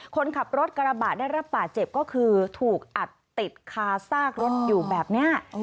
คนขับรถกระบะได้รับบาดเจ็บก็คือถูกอัดติดคาซากรถอยู่แบบนี้